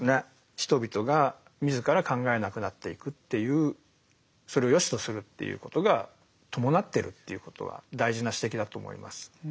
人々が自ら考えなくなっていくっていうそれをよしとするっていうことが伴ってるっていうことは大事な指摘だと思います。